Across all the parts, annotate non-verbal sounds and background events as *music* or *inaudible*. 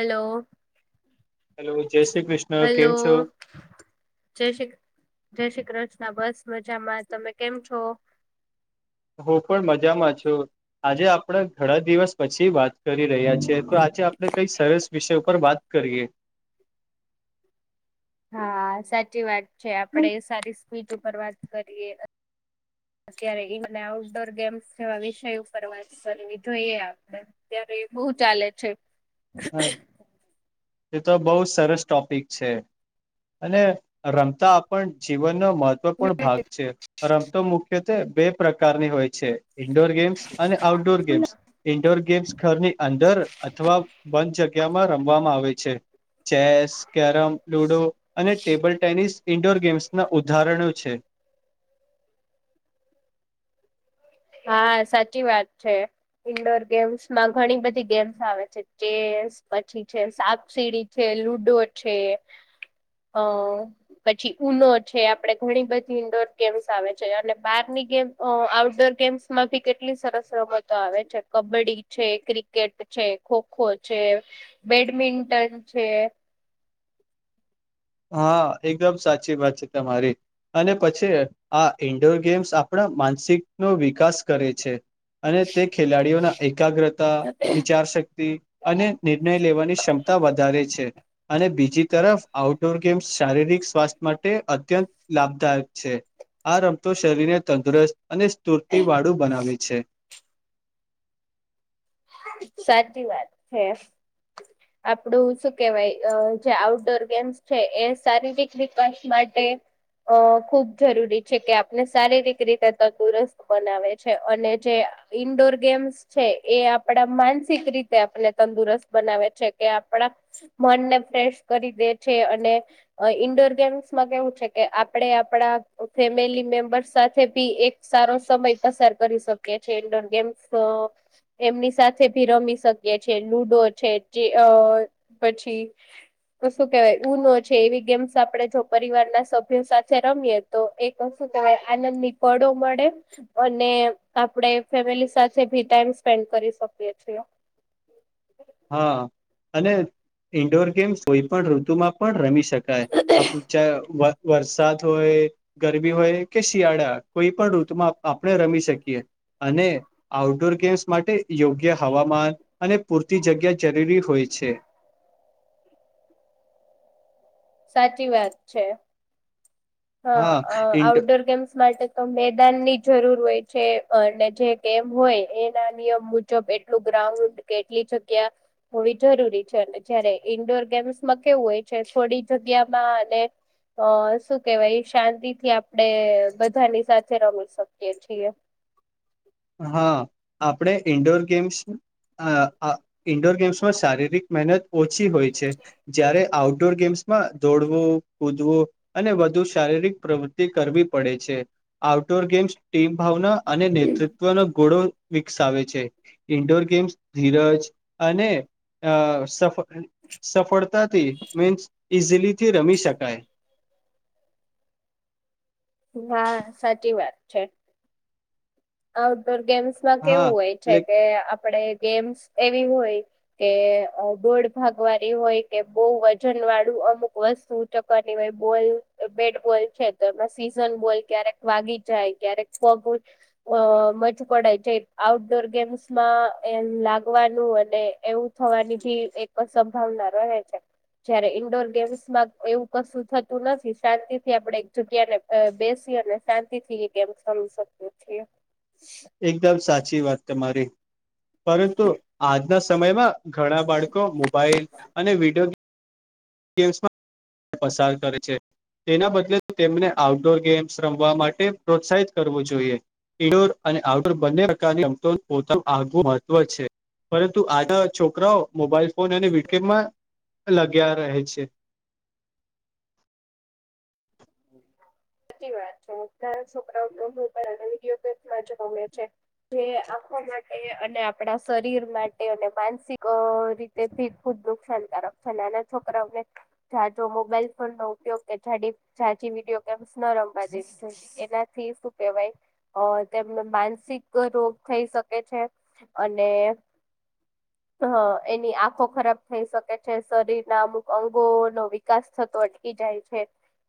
Hello. Hello જય Shri Krishna hello, કેમ છો જય શીખ જય શ્રીકૃષ્ણ બસ મજામાં તમે કેમ છો? હું પણ મજામાં છું. આજે આપડે ઘણા દિવસ પછી વાત કરી રહ્યા છે. તો આજે આપણે કઈ સરસ વિષય પર વાત કરીએ. હા, સાચી વાત છે. આપણેે સારી સ્પીડ ઉપર વાત કરીએ. અત્યારે ઈન અને આઉટડોર ગેમ્સ જેવા વિષય ઉપર વાત કરવી જોઈએ આપડે. અત્યારે એ બહુ ચાલે છે. હા. એ તો બહુ સરસ ટોપિક છે. અને રમતા આપણ જીવન નો મહત્વપૂર્ણ ભાગ છે. રમતો મુખ્યત્વે બે પ્રકારની હોય છે. ઇન્ડોર ગેમ્સ અને આઉટડોર ગેમ્સ, ઇન્ડોર ગેમ્સ ઘરની અંદર અથવા બંધ જગ્યામાં રમવામાં આવે છે. ચેસ, કેરમ, લુડો અને ટેબલ ટેનિસ ઈન્ડોર ગેમ્સના ઉદાહરણો છે. હા સાચી વાત છે. ઈન્ડોર ગેમ્સ માં ઘણી બધી ગેમ્સ આવે છે. ચેસ, પછી છે સાપ સીડી છે લુડો છે અહ પછી ઉનો છે આપડે ઘણી બધી ઈન્ડોર ગેમ્સ આવે છે અને બારની ગેમ અહ આઉટ ડોર ગેમ્સ માં ભી કેટલી સરસ રમતો આવે છે. કબડ્ડી છે, ક્રિકેટ છે, ખોખો છે એ બેડમિન્ટન છે હા, એકદમ સાચી વાત છે તમારી. અને પછી આ ઇન્ડોર ગેમ્સ આપડા માનસિક નો વિકાસ કરે છે અને તે ખેલાડીઓના એકાગ્રતા વિચારશક્તિ અને નિર્ણય લેવાની ક્ષમતા વધારે છે. અને બીજી તરફ આઉટ ડોર ગેમ્સ શારીરિક સ્વાસ્થ્ય માટે અત્યંત લાભદાયક છે. આ રમતો શરીરને તંદુરસ્ત અને સ્તુર્તિવાળું બનાવે છે. *inaudible* સાચી વાત છે. આપડું શું કેવાય અહ જે આઉટડોર ગેમ્સ છે એ શારીરિક વિકાસ માટે અહ ખુબ જરૂરી છે કે આપને શારીરિક રીતે તંદુરસ્ત બનાવે છે અને જે અહ ઇન્ડોર ગેમ્સ છે એ આપ ડા માનસિક રીતે આપને તંદુરસ્ત બનાવે છે કે આપણા મનને ફ્રેશ કરી દે દે છે અને અહ ઇન્ડોર ગેમ્સમાં કેવું છે કે આપણે આપણા ફેમિલી મેમ્બર સાથે ભી એક સારો સમય પસાર કરી શકે છે ઇન્ડોર ગેમ્સ અહ એમની સાથે ભી રમી શકીએ છે. લુડો છે જે અહ પછી તો શું કેવાય ઉનો છે એવી ગેમ્સ આપણે જો પરિવાર ના સભ્યો સાથે રમીએ તો એ કશું આનંદની પળો મળે અને આપડ ફેમિલી સાથે ભી ટાઈમ સ્પેન્ડ કરી શકીએ છ હા અને ઇન્ડોર ગેમ્ કોઈ પણ ઋતુમાં પણ રમી શકે શકાય આપ વા વરસાદ હોય ગરમી હોય કે શિયાળા કોઈ પણ ઋતુમાં આપણે રમી શકીએ અને આઉટડોર ગેમ્સ માટે યોગ્ય હવામાન અને પૂર જગ્યા જરૂરી હોય છે સાચી વાત છે હા ઉટડોર ગેમ્સ માટે તો મેદાન ની જરૂર હોય છે અને જે કેમ હોય એના નિયમ મુજબ એટલું ઉન્ડ કેટલી જગ્યા હોવી જરૂરી છે અને જયારે ઈન્ડોર ગેમ્સ માં કેવું હોય છે થોડી જગ્યા માં અને અ શ કેવાાઈ શાંતિ થી આપડણે બધાની સાથે રમી શકીએ છીએ હા આપણે ઇન્ડોર ગેમ્સ અ ઇન્ડોર ગેમ્સમાં શારીરિક મહેનત ઓછી હોય છે જ્યારે આઉટડોર ગેમ્સમાં દોડવો કૂદવો અને વધુ શારીરિક પ્રવૃતિ કરવી પડે છે આઉટડોર ગેમ્સ ટીમ ભાવના અને નેતૃત્વ ત્વનો ઘોડો વિકસાવે છે ઇન્ડોર ગેમ્સ ધીરજ અને અ સફ સફળતા મીન્સ ઈઝીલીથી રમી શકાય હા સાચી વાત છે આઉટડોર ગેમ્સમાં હા કેવું હોય છે એટલે કે આપણે ગેમ્સ એવી હોય કે બોડ ભાગવાની હોય કે બહ વજન વાળું અમુક વસ્તુ ચકની હોય બોલ બેટ બોલ છે તો એમાં સીઝન બોલ ક્યારેક વાગી જાય ક્યારેકોગું અ મજ પડાય છે આઉટડોર ગેમ્સમાં એ લાગવાનું અને એવું હોવાનીી એક સંભાવના રહે છે જયારે ઈન્ડોર ગેમ્સમાં એવું કશું થતું નથી. શાંતિ થી આપડે એક જગ્યા ને બેસ શી અને શાંતિ થી એ ગેમ સમ શકીએ છીએ. એકદમ સાચી વાત તમારી. પરંતુ આજે આજ ના સમયમાં ઘણા બાળકો મોબાઈલ અને વિડીયો ગેમ્સમાં પસાર કરે છે. તેના બદલે તેમને આઉટડોર ગેમ્સ રમવા માટે પ્રોત્સાહિત કરવું જોઈએ. ઇડોર અને આઉટડોર બંને પ્રકારની અમતો પોતાનું આગવું મહત્વ છે. પરંતુ આટ છોકરાઓ મોબાઈલ ફોન અને વિડકેપમાં લગ્યા રહે. છે. *inaudible* સાચી વાત છે. *unintelligible* જે આખો માટે અને આપણા શરીર માટે અને માનસિક રીતે શીખું નુકસાનકારક છે. નાના છોકરાઓને જાજો મોબાઈલ ફોન નો ઉપયોગ કે જાડી જાચી વિડીયો ગેમ્સ ન રમવા જેવી એનાથી શું કહેવાય તેમનો માન સીક રોગ થઈ શકે છે. અને *inaudible* હ એની આંખો ખરાબ થઈ શકે છે. શરીર ના અમુક અંગો નો વિકાસ થતો અટકી જાય છે.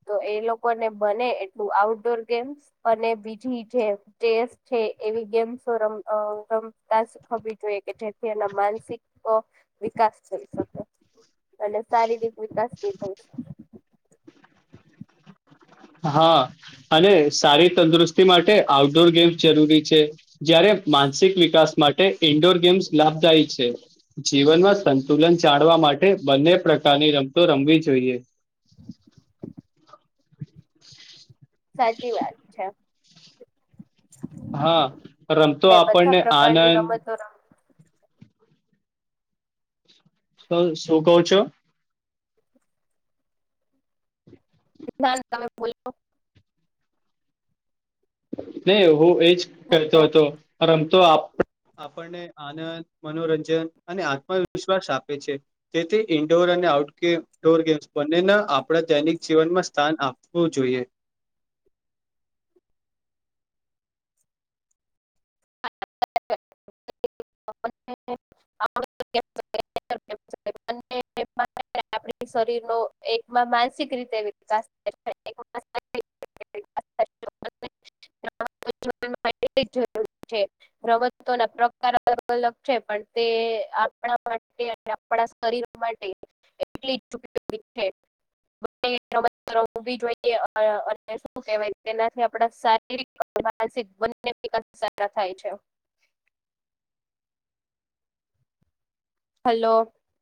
તો એ લોકોને બને એટલું આઉટડોર ગેમ્સ અને બીજી જે ચેસ છે. એવી ગેમ્સ રમ અ રમતા શીખવી જોઈએ. કે જેથી એના માનસિક વિકા સ થઈ શકે. અને શારીરિક વિકાસ બી થઈ શકે. *inaudible* હા અને સારી તંદુરસ્તી માટે આઉટડોર ગેમ્સ જરૂરી છે. જયારે માનસિક વિકાસ માટે ઇન્ડોર ગેમ્સ લાભદાયી છે. જીવનમાં સંતુલન જાળવા માટે બંને પ્રશ્ ટાની રમતો રમવી જોઈએ. *unintelligible* સાચી વાત છે. હા રમતો ને બધા આપણને પ્રકારની આનંદ રમતો રમ શું કો છો? તમે બોલો નહી હું એજ કહેતો હતો. રમતો આપ આપણને આનંદ મનોરંજન અને આત્મવિશ્વાસ આપે છે. તેથી ઇન્ડોર અને આઉટગેમ ડોરગેમ્સ બંનેને આપણે દૈનિક જીવનમાં સ્થાન આપવું જોઈએ. *inaudible* *unintelligible* અને *unintelligible* આપણી શરીર નો એકમાં માનસિક રીતે વિકાસ થાય છે એકમાં શારીરિક રીતે *inaudible* માટે જરૂરી છે રમતો ના પ્રકાર અલગ અલગ છે. પણ તે આપણા માટે આપણા શરીર માટે એટલી જ જરૂરી છે. જોઈએ અને શું કેવાય તેનાથી આપડા શારીરિક માનસિક બને વિકાસ સારા થાય છે. હલો.